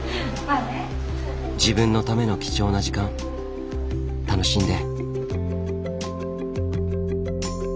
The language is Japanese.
自分のための貴重な時間楽しんで。